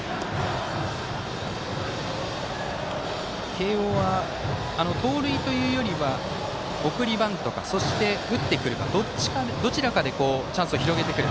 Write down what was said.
慶応は盗塁というよりは送りバントかそして打ってくるかどちらかでチャンスを広げてくる。